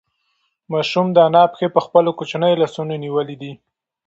ماشوم د انا پښې په خپلو کوچنیو لاسونو نیولې دي.